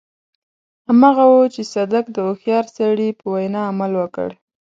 هماغه و چې صدک د هوښيار سړي په وينا عمل وکړ.